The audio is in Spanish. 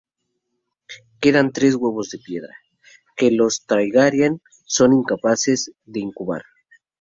Quedan tres huevos de piedra, que los Targaryen son incapaces de incubar.